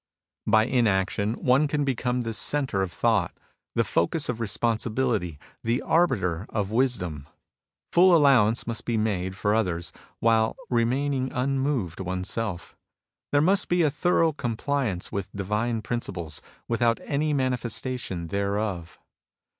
By inaction one can become the centre of thought, the focus of responsibility, the arbiter of wisdom. Full allowance must be made for others, while remaining unmoved oneself. There must be a thorough compliance with divine principles, without any manifestation thereof.